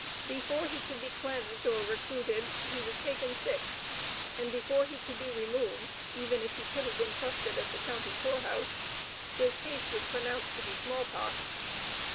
Before he could be cleansed or recruited, he was taken sick, and before he could be removed (even if he could have been trusted at the county poor house), his case was pronounced to be small pox.